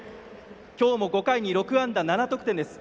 今日も５回に６安打７得点です。